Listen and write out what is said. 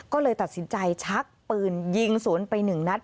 ก็เลยตัดสินใจชักปืนยิงสวนไปหนึ่งนัด